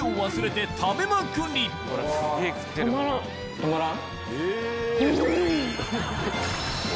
止まらん？